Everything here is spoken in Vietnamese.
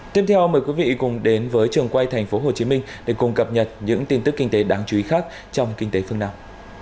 tiếp theo mời quý vị cùng đến với trường quay thành phố hồ chí minh để cùng cập nhật những tin tức kinh tế đáng chú ý khác trong kinh tế phương nam